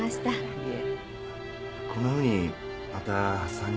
いえ。